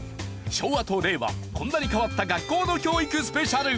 昭和と令和こんなに変わった学校の教育スペシャル。